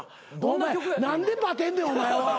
何でバテんねんお前は。